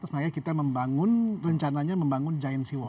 makanya kita membangun rencananya membangun giant sea wal